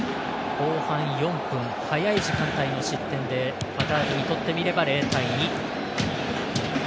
後半４分早い時間帯の失点でカタールにとってみれば０対２。